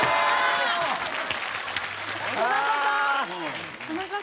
田中さん？